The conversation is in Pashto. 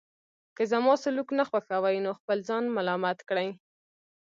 که زما سلوک نه خوښوئ نو خپل ځان ملامت کړئ.